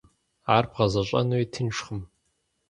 Ар бгъэзэщӏэнуи тыншкъым.